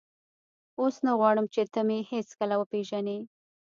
اوس نه غواړم چې ته مې هېڅکله وپېژنې.